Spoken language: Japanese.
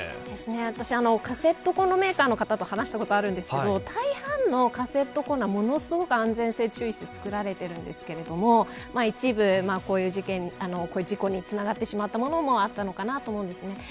私カセットこんろメーカーの方と話したことがあるんですけど大半のカセットコンロはものすごく安全性に注意して作られているんですけど一部、こういう事故につながってしまったものもあったのかなと思うんですね。